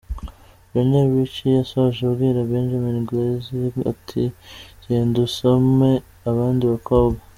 Lionel Richie yasoje abwira Benjamin Glaize ati “genda usome abandi bakobwa”.